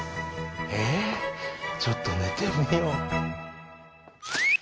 えちょっと寝てみよう。